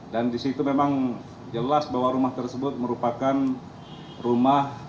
dan disitu memang jelas bahwa rumah tersebut merupakan rumah nus kay